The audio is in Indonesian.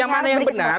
yang mana yang benar